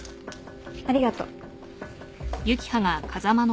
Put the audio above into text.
ありがとう。